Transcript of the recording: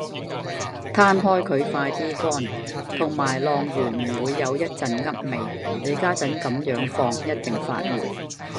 攤開佢快乾啲，同埋晾完唔會有一陣噏味，你家陣咁樣放一定發霉